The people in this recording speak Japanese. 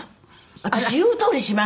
私言うとおりします」